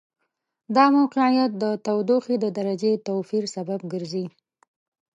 دا موقعیت د تودوخې د درجې توپیر سبب ګرځي.